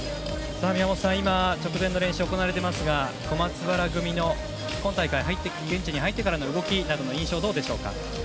宮本さん、直前練習が行われていますが小松原組の今大会現地に入ってからの動きの印象はどうでしょうか？